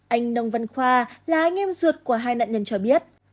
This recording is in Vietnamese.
anh nông văn khoa là anh em ruột của hai nạn nhân cho biết